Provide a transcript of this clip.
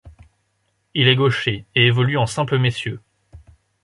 Il est gaucher et évolue en simple messieurs.